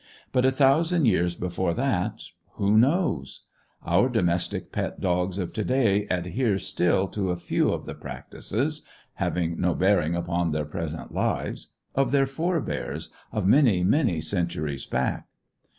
But a thousand years before that who knows? Our domestic pet dogs of to day adhere still to a few of the practices (having no bearing upon their present lives) of their forbears of many, many centuries back.